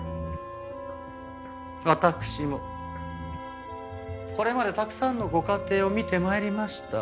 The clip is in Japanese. わたくしもこれまでたくさんのご家庭を見て参りました。